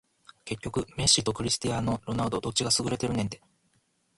結局メッシとクリスティアーノ・ロナウドどっちが優れてるねんて